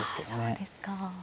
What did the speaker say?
そうですか。